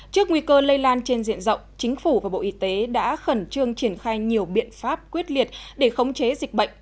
trước nguy cơ lây lan trên diện rộng chính phủ và bộ y tế đã khẩn trương triển khai nhiều biện pháp quyết liệt để khống chế dịch bệnh